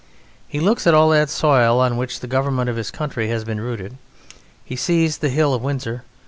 He looks at all that soil on which the government of this country has been rooted. He sees the hill of Windsor.